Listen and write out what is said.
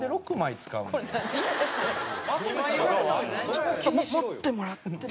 ちょっと持ってもらっても。